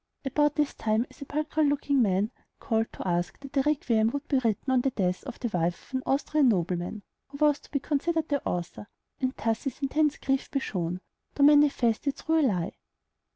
About this time a sepulchral looking man called to ask that a "Requiem" be written on the death of the wife of an Austrian nobleman, who was to be considered the author, and thus his intense grief be shown, though manifested through a lie.